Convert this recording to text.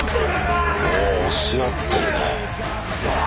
お押し合ってるね。